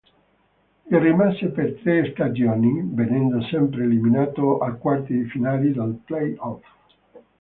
Vi rimase per tre stagioni, venendo sempre eliminato ai quarti di finale dei play-off.